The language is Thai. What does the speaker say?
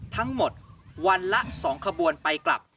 ทั้งหมดวันละ๒ขบวนไปกลับ